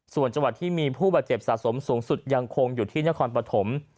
ส่วนจังหวัดที่มีผู้บาดเจ็บสะสมสูงสุดยังคงอยู่ที่นครปฐม